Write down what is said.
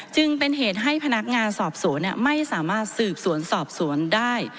จึงเป็นเหตุให้พนักงานสอบสวนไม่สามารถสืบสวนสอบสวนได้